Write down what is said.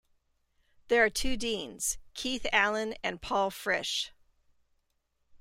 There are two deans, Keith Alleyne and Paul Frisch.